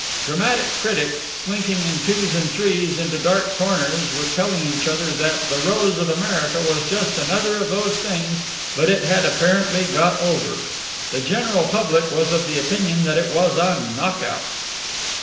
Dramatic critics, slinking in twos and threes into dark corners, were telling each other that "The Rose of America" was just another of those things but it had apparently got over. The general public was of the opinion that it was a knock out.